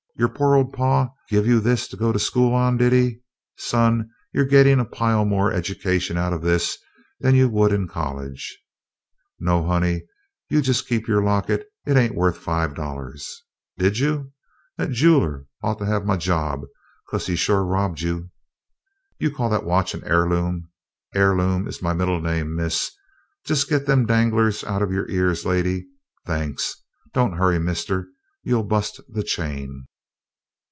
Your poor old pa give you this to go to school on, did he? Son, you're gettin' a pile more education out of this than you would in college. No, honey, you just keep your locket. It ain't worth five dollars. Did you? That jeweler ought to have my job, 'cause he sure robbed you! You call that watch an heirloom? Heirloom is my middle name, miss. Just get them danglers out'n your ears, lady. Thanks! Don't hurry, mister; you'll bust the chain."